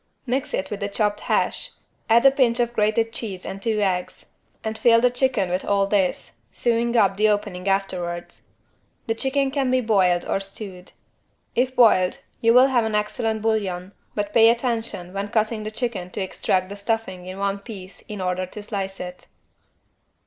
Mix it with the chopped hash, add a pinch of grated cheese and two eggs and fill the chicken with all this, sewing up the opening afterwards. The chicken can be boiled or stewed. If boiled you will have an excellent bouillon, but pay attention when cutting the chicken to extract the stuffing in one piece in order to slice it.